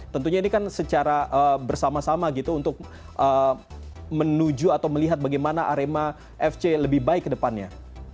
tentunya ini kan secara bersama sama gitu untuk menuju atau melihat bagaimana arema fc lebih baik ke depannya